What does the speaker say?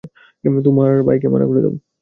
তোমার ভাইকে মানা করে দেও।